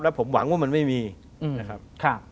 ผมหวังว่ามันไม่มีนะครับ